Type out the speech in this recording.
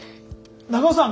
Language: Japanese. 長尾さん